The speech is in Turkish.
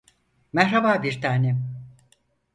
Merhaba bir tanem.